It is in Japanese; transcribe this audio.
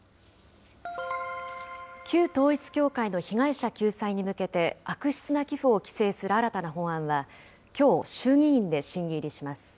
旧統一教会の被害者救済に向けて、悪質な寄付を規制する新たな法案は、きょう、衆議院で審議入りします。